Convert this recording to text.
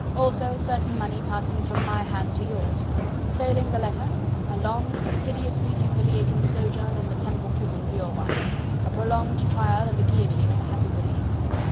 Also certain money passing from my hand to yours. Failing the letter, a long, hideously humiliating sojourn in the Temple prison for your wife, a prolonged trial and the guillotine as a happy release!...